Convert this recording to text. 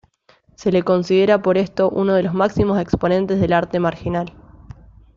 Se le considera por esto uno de los máximos exponentes del arte marginal.